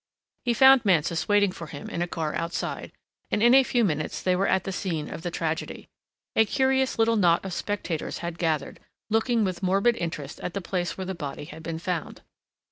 He found Mansus waiting for him in a car outside and in a few minutes they were at the scene of the tragedy. A curious little knot of spectators had gathered, looking with morbid interest at the place where the body had been found.